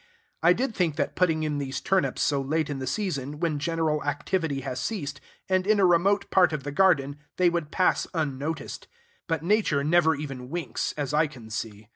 I did think that putting in these turnips so late in the season, when general activity has ceased, and in a remote part of the garden, they would pass unnoticed. But Nature never even winks, as I can see.